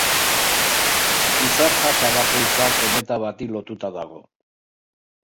Izar jasa bakoitza kometa bati lotuta dago.